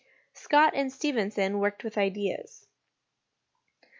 Scott and Stephenson worked with Ideas.